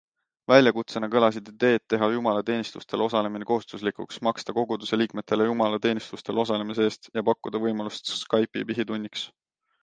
Väljakutsena kõlasid ideed teha jumalateenistustel osalemine kohustuslikuks, maksta koguduseliikmetele jumalateenistustel osalemise eest ja pakkuda võimalust Skype'i pihitunniks.